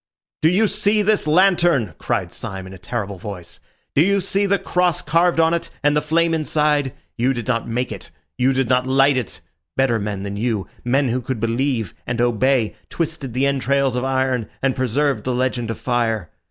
"Do you see this lantern?" cried Syme in a terrible voice. "Do you see the cross carved on it, and the flame inside? You did not make it. You did not light it. Better men than you, men who could believe and obey, twisted the entrails of iron and preserved the legend of fire.